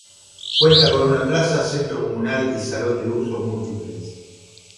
Cuenta con una plaza, centro comunal y salón de usos múltiples.